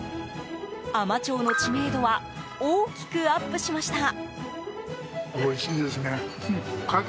海士町の知名度は大きくアップしました。